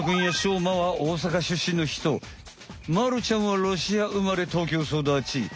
やしょうまは大阪出身の人まるちゃんはロシア生まれ東京育ち。